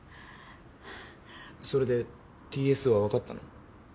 それでＴ・Ｓは分かったの？